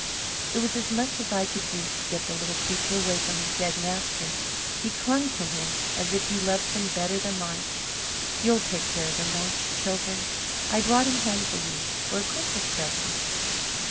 It was as much as I could do to get the little creature away from his dead master; he clung to him as if he loved him better than life. You'll take care of him, won't you, children? I brought him home to you, for a Christmas present."